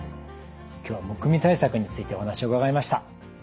今日はむくみ対策についてお話を伺いました。